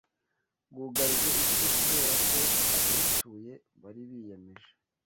bwugarije isi kubera ko abayituye bari biyemeje